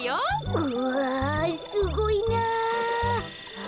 うわすごいな！